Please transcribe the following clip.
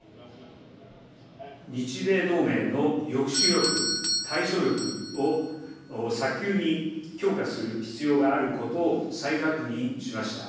日米同盟の抑止力、対処力を早急に強化する必要があることを再確認しました。